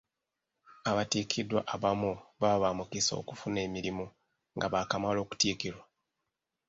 Abatikiddwa abamu baba ba mukisa okufuna emirimu nga baakamala okuttikirwa.